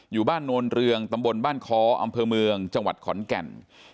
อยู่บ้านโนนเรืองตำบลบ้านค้ออำเภอเมืองจังหวัดขอนแก่น